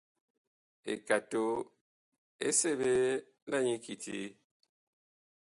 Ekato ɛ seɓe la nyi kiti ?